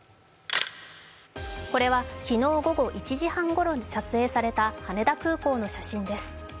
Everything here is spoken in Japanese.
これは昨日午後１時半ごろに撮影された羽田空港の写真です。